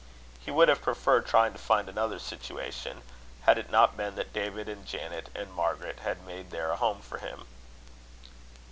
He would have preferred trying to find another situation, had it not been that David and Janet and Margaret had made there a home for him.